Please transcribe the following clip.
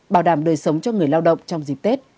bảo đảm đời sống cho người lao động trong dịp tết